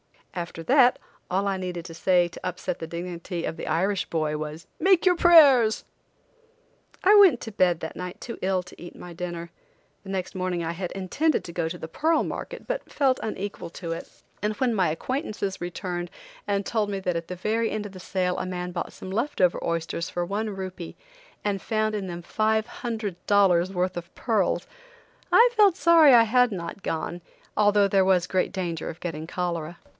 After that all I needed to say to upset the dignity of the Irish boy was: "Make your prayers!" I went to bed that night too ill to eat my dinner. The next morning I had intended to go to the pearl market, but felt unequal to it, and when my acquaintances returned and told me that at the very end of the sale a man bought some left over oysters for one rupee and found in them five hundred dollars worth of pearls, I felt sorry that I had not gone, although there was great danger of getting cholera.